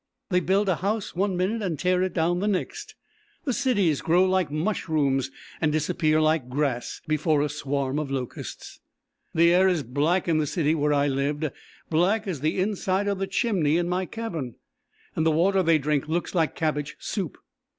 They build a house one minute and tear it down the next; the cities grow like mushrooms and disappear like grass before a swarm of locusts. The air is black in the city where I lived; black as the inside of the chimney in my cabin, and the water they drink looks like cabbage soup.